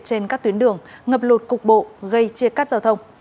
trên các tuyến đường ngập lụt cục bộ gây chia cắt giao thông